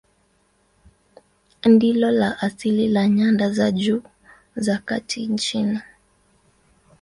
Ndilo la asili la nyanda za juu za kati nchini.